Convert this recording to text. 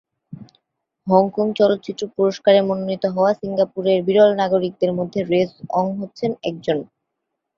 Hong Kong চলচ্চিত্র পুরস্কারে মনোনীত হওয়া সিঙ্গাপুরের বিরল নাগরিকদের মধ্যে রেস ওং হচ্ছেন একজন।